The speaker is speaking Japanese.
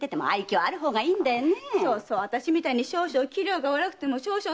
そうそう私みたいに少々器量が悪くても！